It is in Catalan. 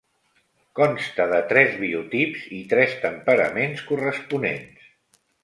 Consta de tres biotips i tres temperaments corresponents.